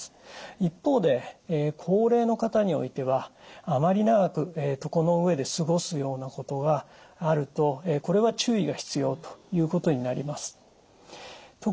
一方で高齢の方においてはあまり長く床の上で過ごすようなことがあるとこれは注意が必要ということになります。